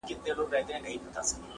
له قاصده سره نسته سلامونه-